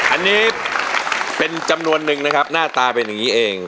อันนี้เป็นจำนวนนึงนะครับหน้าตาเป็นอย่างนี้เอง